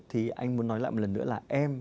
thì anh muốn nói lại một lần nữa là em